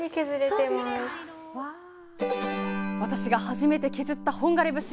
私が初めて削った本枯節！